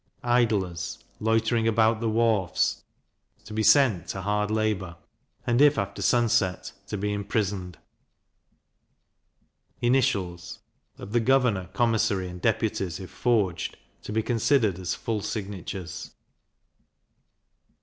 Idlers loitering about the wharfs, to be sent to hard labour; and if after sunset, to be imprisoned. Initials of the governor, commissary, and deputies, if forged, to be considered as full signatures.